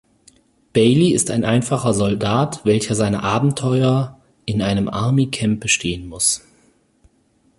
Bailey ist ein einfacher Soldat, welcher seine Abenteuer in einem Army-Camp bestehen muss.